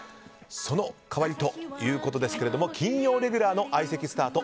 その代わりということですが金曜レギュラーの相席スタート